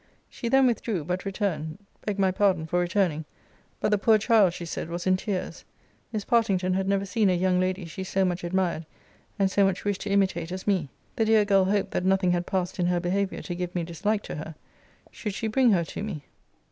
She then withdrew, but returned begged my pardon for returning, but the poor child, she said, was in tears. Miss Partington had never seen a young lady she so much admired, and so much wished to imitate as me. The dear girl hoped that nothing had passed in her behaviour to give me dislike to her. Should she bring her to me?